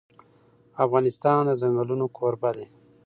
افغانستان د ځنګلونه کوربه دی.